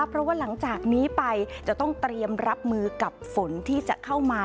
เพราะว่าหลังจากนี้ไปจะต้องเตรียมรับมือกับฝนที่จะเข้ามา